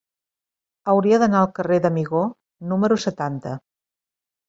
Hauria d'anar al carrer d'Amigó número setanta.